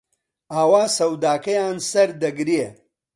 ئاوا سەوداکەیان سەردەگرێ